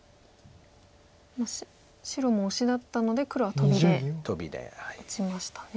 白もオシだったので黒はトビで打ちましたね。